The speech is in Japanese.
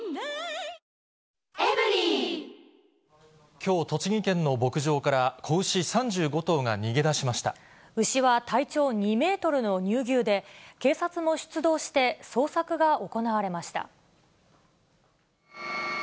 きょう、栃木県の牧場から、牛は体長２メートルの乳牛で、警察も出動して、捜索が行われました。